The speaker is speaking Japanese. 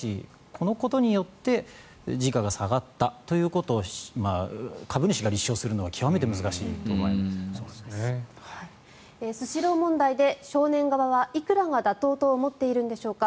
このことによって時価が下がったということを株主が立証するのはスシロー問題で少年側はいくらが妥当と思っているのでしょうか。